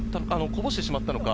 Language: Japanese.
こぼしてしまったのか？